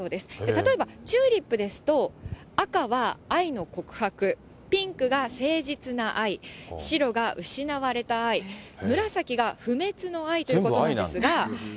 例えばチューリップですと、赤は愛の告白、ピンクが誠実な愛、白が失われた愛、紫が不滅の愛ということなんですが。